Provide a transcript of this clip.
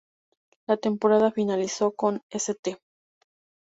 La temporada finalizó con St.